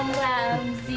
ih pada bengong sih